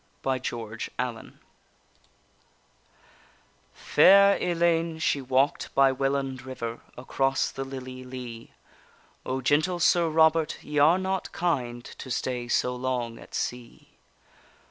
_ WELLAND RIVER Fair Ellayne she walk'd by Welland river, Across the lily lee: O, gentle Sir Robert, ye are not kind To stay so long at sea.